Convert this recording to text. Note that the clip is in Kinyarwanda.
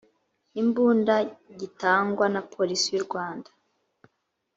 imbunda gitangwa na polisi y u rwanda